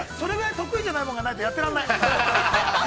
◆得意なものがないと、やってられない。